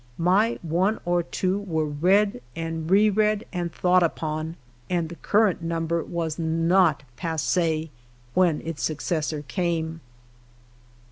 My one or two were read and reread and thought upon, and the current number was not passe when its successor came.